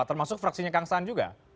termasuk fraksinya kang saan juga